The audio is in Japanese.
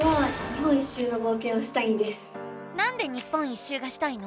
わたしはなんで日本一周がしたいの？